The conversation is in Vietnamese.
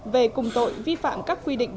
về cùng tội vi phạm các quy định